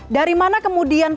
dari mana kemudian pelaku